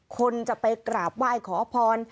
คนจะไปกราบไหว้ขอพร